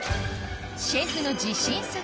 シェフの自信作